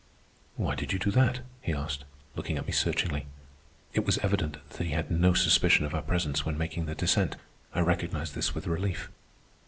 "Why did you do that?" he asked, looking at me searchingly. It was evident that he had no suspicion of our presence when making the descent. I recognized this with relief.